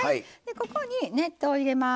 ここに熱湯を入れます。